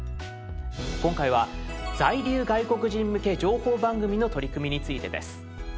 今回は「在留外国人向け情報番組」の取り組みについてです。